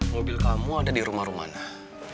mobil kamu ada di rumah rumah